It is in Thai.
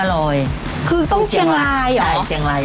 หรอคือต้องเชียงรายเหรอไม่อร่อย